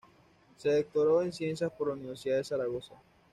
Se doctoró en Ciencias por la Universidad de Zaragoza.